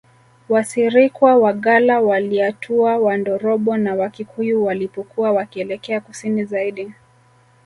Wasirikwa Wagalla Waliatua Wandorobo na Wakikuyu walipokuwa wakielekea Kusini zaidi